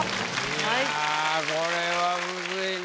いやこれはむずいな。